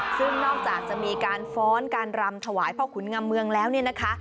ซึ่งนอกจากจะมีการฟ้อนการรำถวายพ่อขุนงำเมืองแล้วเนี่ยนะคะ